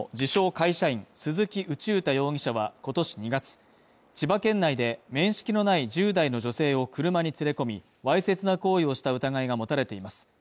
会社員、鈴木宇宙太容疑者は今年２月、千葉県内で面識のない１０代の女性を車に連れ込み、わいせつな行為をした疑いが持たれています。